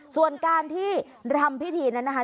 ส่วนการที่รำพิธีนั้นนะคะ